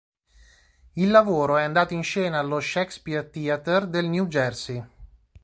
Il lavoro è andato in scena allo Shakespeare Theatre del New Jersey.